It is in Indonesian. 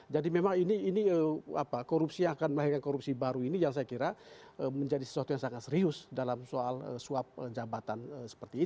jadi memang ini korupsi yang akan melahirkan korupsi baru ini yang saya kira menjadi sesuatu yang sangat serius dalam soal suap jabatan seperti ini